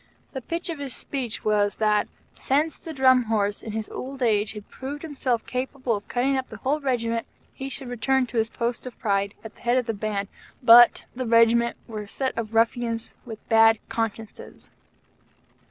The pith of his speech was that, since the Drum Horse in his old age had proved himself capable of cutting up the Whole Regiment, he should return to his post of pride at the head of the band, BUT the Regiment were a set of ruffians with bad consciences.